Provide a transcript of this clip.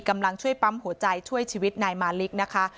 กำลังช่วยปั๊มหัวใจช่วยชีวิตนายมาลิกนะคะ